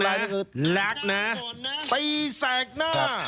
แหลกนะตีแสกหน้า